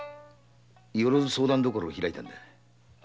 「よろづ相談処」を開いたんだ。